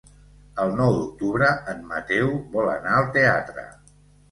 El nou d'octubre en Mateu vol anar al teatre.